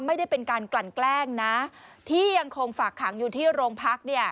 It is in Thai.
ไม่ได้เป็นการกลั่นแกล้งนะที่ยังคงฝากขังอยู่ที่โรงพัก